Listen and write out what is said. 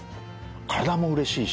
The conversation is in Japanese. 体もうれしいし。